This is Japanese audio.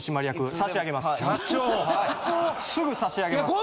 すぐ差し上げます。